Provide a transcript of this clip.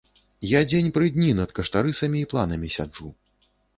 Я дзень пры дні над каштарысамі і планамі сяджу.